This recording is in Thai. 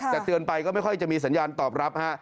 แต่เตือนไปก็ไม่ค่อยจะมีสัญญาณตอบรับฮะ